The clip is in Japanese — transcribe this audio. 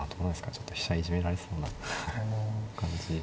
ちょっと飛車いじめられそうな感じ。